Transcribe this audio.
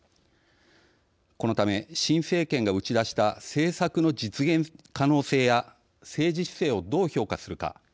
このため新政権が打ち出した政策の実現可能性や政治姿勢をどう評価するか。